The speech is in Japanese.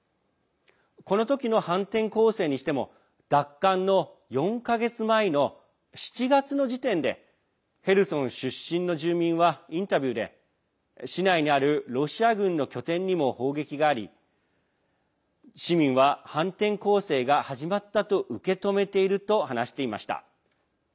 この時の反転攻勢にしても奪還の４か月前の７月の時点でヘルソン出身の住民はインタビューで市内にあるロシア軍の拠点にも砲撃があり市民は反転攻勢が始まったと受け止めていると話していました。